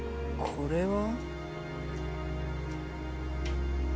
これは？